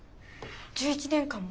１１年間も？